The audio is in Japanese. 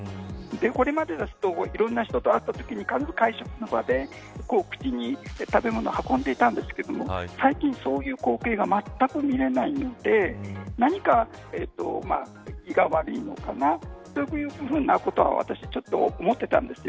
これまで、いろんな人と会ったときに会食の場で口に食べ物を運んでいたんですが最近そういう光景がまったく見られないので何か胃が悪いのかなということは私はちょっと思っていたんです。